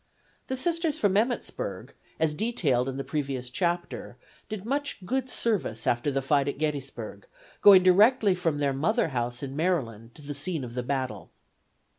The Sisters from Emmittsburg, as detailed in the previous chapter, did much good service after the fight at Gettysburg, going directly from their mother house in Maryland to the scene of the battle.